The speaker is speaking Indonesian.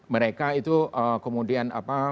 mereka itu kemudian